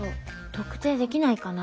特定できないかな？